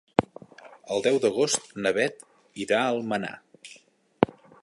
El deu d'agost na Bet irà a Almenar.